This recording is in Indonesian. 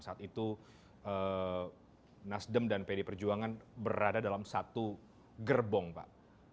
saat itu nasdem dan pd perjuangan berada dalam satu gerbong pak